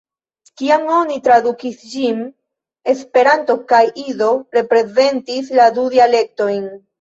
Kiam oni tradukis ĝin, Esperanto kaj Ido reprezentis la du dialektojn.